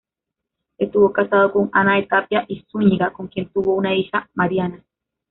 Estuvo casado con Ana de Tapia y Zúñiga, con quien tuvo una hija, Mariana.